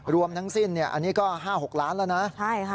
รวมทั้งสิ้นเนี่ยอันนี้ก็ห้าหกล้านแล้วนะใช่ค่ะ